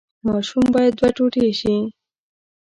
ماشوم باید دوه ټوټې شي.